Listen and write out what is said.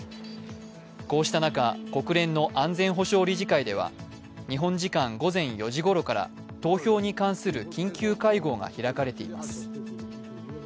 こうした中、国連の安全保障理事会では日本時間午前４時ごろから投票に関する緊急会合が開かれています。